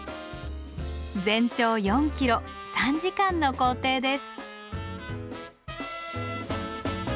全長４ｋｍ３時間の行程です。